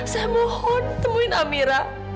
saya mohon temuin amira